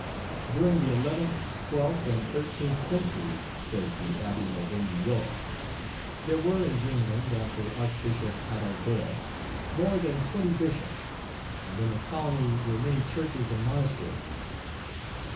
During the eleventh, twelfth, and thirteenth centuries, says the Abbe MorilJot, "there were in Greenland, after Archbishop Adalbert, more than twenty bishops, and in the colony were many churches and monasteries.